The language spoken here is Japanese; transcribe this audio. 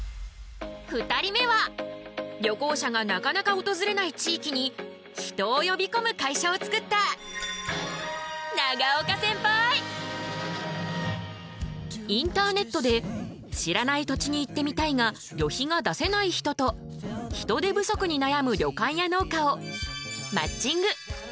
２人目は旅行者がなかなか訪れない地域に人を呼び込む会社を作ったインターネットで知らない土地に行ってみたいが旅費が出せない人と人手不足になやむ旅館や農家をマッチング。